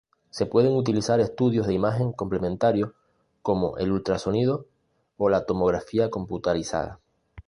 Se pueden utilizar estudios de imagen complementarios como el ultrasonido y la tomografía computarizada.